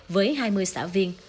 với hai mươi xã viên